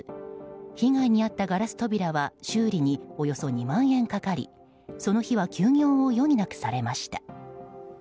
被害に遭ったガラス扉は修理におよそ２万円かかりその日は休業を余儀なくされました。